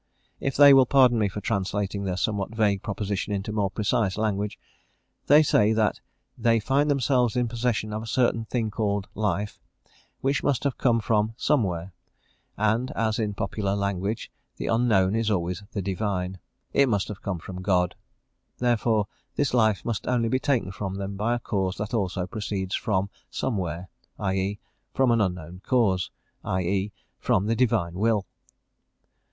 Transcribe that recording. If they will pardon me for translating their somewhat vague proposition into more precise language, they say that they find themselves in possession of a certain thing called life, which must have come from somewhere; and as in popular language the unknown is always the divine, it must have come from God: therefore this life must only be taken from them by a cause that also proceeds from somewhere i e., from an unknown cause i e., from the Divine will.